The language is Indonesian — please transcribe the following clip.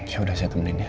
ya udah saya temenin ya